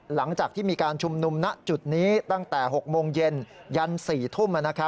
หลังจากที่มีการชุมนุมณจุดนี้ตั้งแต่๖โมงเย็นยัน๔ทุ่ม